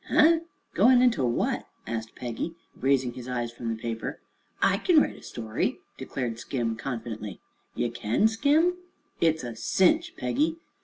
"Heh? Goin' into what?" asked Peggy, raising his eyes from the paper. "I kin write a story," declared Skim confidently. "Ye kin, Skim?" "It's a cinch, Peggy.